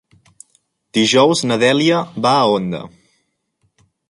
Dijous na Dèlia va a Onda.